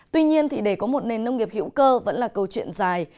tuy nhiên để có một nền nông nghiệp hữu cơ vẫn là câu chuyện dài